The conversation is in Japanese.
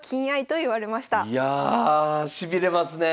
いやあしびれますねえ。